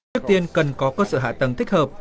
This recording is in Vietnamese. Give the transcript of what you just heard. trước tiên cần có cơ sở hạ tầng thích hợp